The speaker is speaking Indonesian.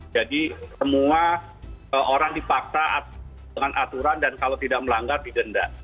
jadi semua orang dipakai dengan aturan dan kalau tidak melanggar didenda